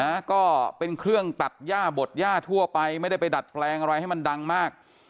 นะก็เป็นเครื่องตัดย่าบดย่าทั่วไปไม่ได้ไปดัดแปลงอะไรให้มันดังมาก